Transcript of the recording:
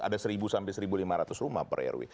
ada seribu sampai seribu lima ratus rumah per rw